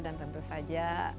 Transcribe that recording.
dan tentu saja